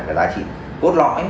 và giá trị cốt lõi